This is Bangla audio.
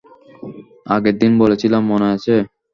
আগেরদিন বলেছিলাম, মনে আছে?